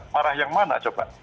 parah yang mana coba